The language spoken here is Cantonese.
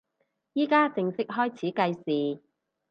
依家正式開始計時